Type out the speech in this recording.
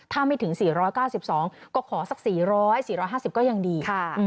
ถ้าไม่ถึง๔๙๒ก็ขอสัก๔๐๐๔๕๐ก็ยังดี